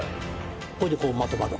これでこうまとまる。